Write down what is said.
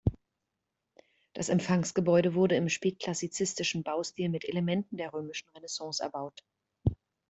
Das Empfangsgebäude wurde im spätklassizistischen Baustil mit Elementen der römischen Renaissance erbaut.